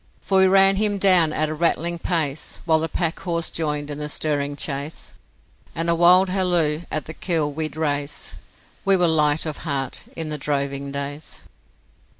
For we ran him down at a rattling pace, While the packhorse joined in the stirring chase. And a wild halloo at the kill we'd raise We were light of heart in the droving days.